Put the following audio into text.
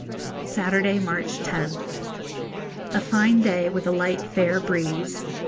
Saturday, March 10th. A fine day, with a light fair breeze.